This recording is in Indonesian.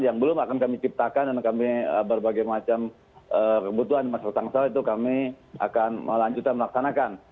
yang belum akan kami ciptakan dan kami berbagai macam kebutuhan masyarakat itu kami akan melanjutkan melaksanakan